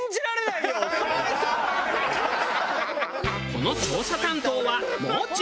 この調査担当はもう中。